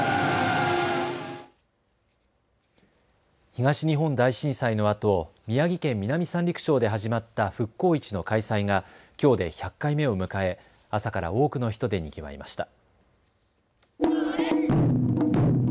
東日本大震災のあと宮城県南三陸町で始まった復興市の開催がきょうで１００回目を迎え朝から多くの人でにぎわいました。